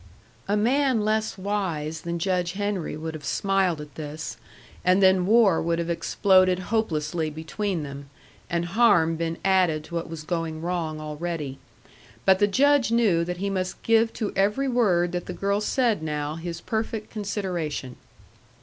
A man less wise than Judge Henry would have smiled at this, and then war would have exploded hopelessly between them, and harm been added to what was going wrong already. But the Judge knew that he must give to every word that the girl said now his perfect consideration.